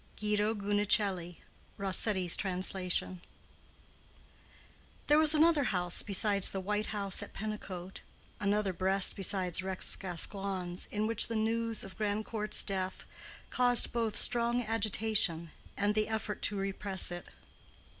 —GUIDO GUINICELLI (Rossetti's Translation). There was another house besides the white house at Pennicote, another breast besides Rex Gascoigne's, in which the news of Grandcourt's death caused both strong agitation and the effort to repress it.